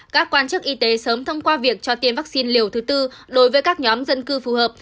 các quan chức y tế sớm thông qua việc cho tiêm vaccine liều thứ tư đối với các nhóm dân cư phù hợp